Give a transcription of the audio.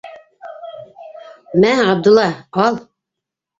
Мә, Ғабдулла, ал.